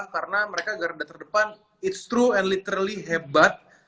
karena mereka agar data terdepan it's true and literally hebat